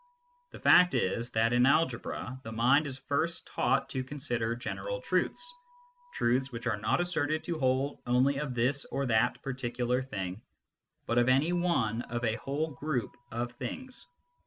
The fact is, that in algebra the mind is first taught to consider general truths, truths which are not asserted to hold only of this or that particular thing, but of any one of a whole group of things.